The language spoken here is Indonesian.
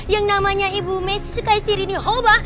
yang namanya ibu messi suka isi rinihoba